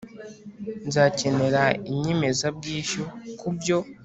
nzakenera inyemezabwishyu kubyo